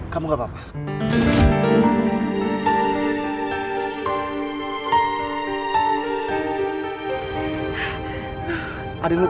kamu gak apa apa